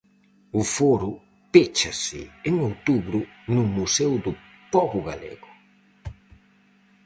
O foro péchase en outubro no Museo do Pobo Galego.